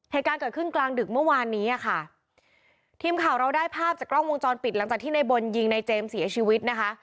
เหตุการณ์เกิดขึ้นกลางดึกเมื่อวานนี้อ่ะค่ะทีมข่าวเราได้ภาพจากกล้องวงจรปิดหลังจากที่ในบนยิงในเจมส์เสียชีวิตนะคะ